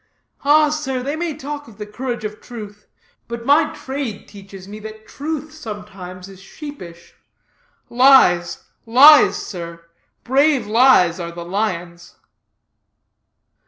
Ah, sir, they may talk of the courage of truth, but my trade teaches me that truth sometimes is sheepish. Lies, lies, sir, brave lies are the lions!"